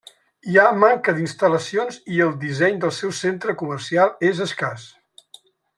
Hi ha manca d'instal·lacions i el disseny del seu centre comercial és escàs.